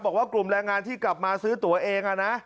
บอกว่ากลุ่มแรงงานที่กลับมาซื้อตัวเองนะ